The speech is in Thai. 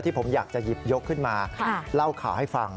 ผมอยากจะหยิบยกขึ้นมาเล่าข่าวให้ฟัง